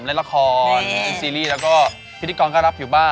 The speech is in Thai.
เล่นละครเล่นซีรีส์แล้วก็พิธีกรก็รับอยู่บ้าง